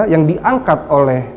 yang diangkat oleh